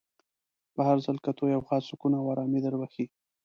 په هر ځل کتو یو خاص سکون او ارامي در بخښي.